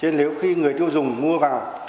nếu khi người tiêu dùng mua vào